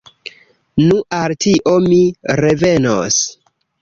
Nu, al tio mi revenos.